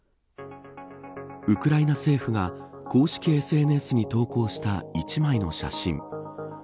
ウクライナ政府が公式ＳＮＳに投稿した一枚の写真。